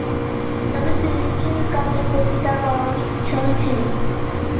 তবে সৃজনশীল কাজের প্রতি তার বরাবরই উৎসাহ ছিল।